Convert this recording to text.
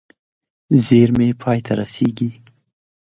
زېرمې پای ته رسېږي.